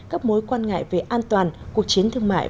các mối quan ngại về an toàn cuộc chiến thương mại